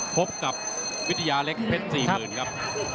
พบกับวิทยาเล็กเพชร๔๐๐๐ครับ